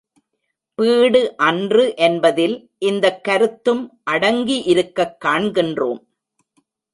Bead அன்று என்பதில் இந்தக் கருத்தும் அடங்கியிருக்கக் காண்கின்றோம்.